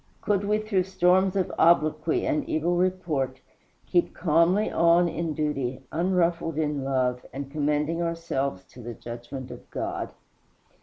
Could we through storms of obloquy and evil report keep calmly on in duty, unruffled in love, and commending ourselves to the judgment of God?